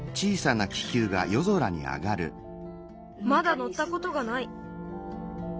まだのったことがない。